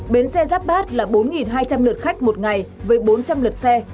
bến xe giáp bát là bốn hai trăm linh lượt khách một ngày với bốn trăm linh lượt xe